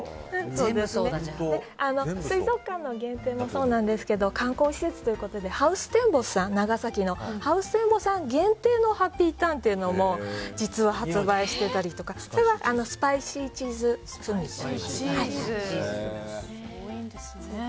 水族館限定もそうなんですけど観光施設ということで長崎のハウステンボスさん限定のハッピーターンも実は発売していたりとかそれはスパイシーチーズ風味です。